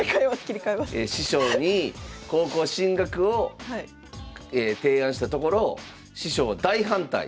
師匠に高校進学を提案したところ師匠大反対。